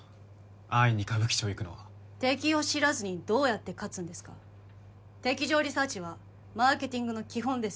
安易に歌舞伎町行くのは敵を知らずにどうやって勝つんですか敵情リサーチはマーケティングの基本です